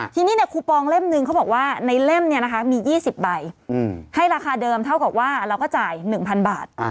ทีนี้คูปองเล่มนึงเขาบอกว่าในเล่มมี๒๐ใบให้ราคาเดิมเท่ากับว่าเราก็จ่าย๑๐๐บาท